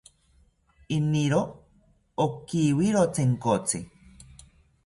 Iniro okiwiro Chenkotzi